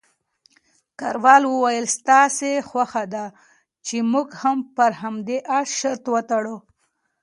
کراول وویل، ستاسې خوښه ده چې موږ هم پر همدې اس شرط وتړو؟